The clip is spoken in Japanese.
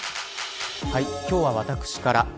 はい、今日は私から。